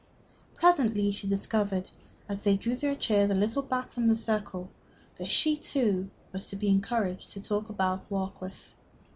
Presently she discovered, as they drew their chairs a little back from the circle, that she, too, was to be encouraged to talk about Warkworth.